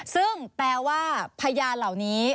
ซึ่งแปลว่าพยานเหล่านี้